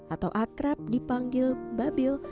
atau akrab dipanggil babil